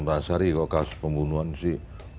pak antasari kalau kasus pembunuhan sih